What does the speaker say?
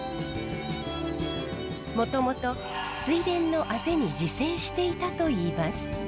もともと水田のあぜに自生していたといいます。